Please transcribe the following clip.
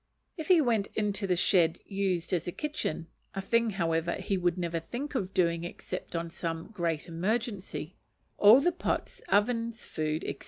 If he went into the shed used as a kitchen (a thing, however, he would never think of doing except on some great emergency), all the pots, ovens, food, &c.